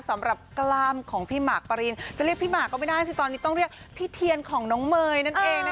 สำหรับกล้ามของพี่หมากปรินจะเรียกพี่หมากก็ไม่ได้สิตอนนี้ต้องเรียกพี่เทียนของน้องเมย์นั่นเองนะคะ